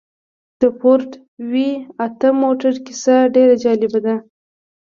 د فورډ وي اته موټر کيسه ډېره جالبه ده.